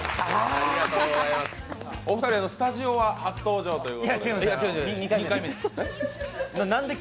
お二人、スタジオは初登場ということで。